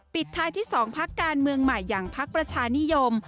ปิดท้ายที่สองภักดิ์การเมืองใหม่อย่างภักดิ์ประชานิยม